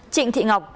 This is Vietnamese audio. trịnh thị ngọc